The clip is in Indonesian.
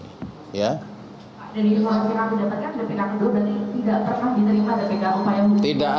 dan ini mengapa kita mendapatkan dpk kedua